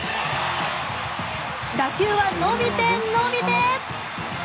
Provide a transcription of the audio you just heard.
打球は伸びて、伸びて。